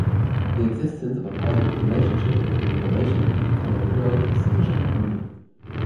The existence of a positive relationship between innovation and economic growth is sufficiently proven.